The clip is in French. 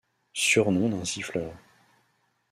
Surnom d'un siffleur.